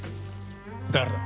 誰だ！？